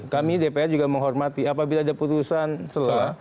kami dpr juga menghormati apabila ada putusan selah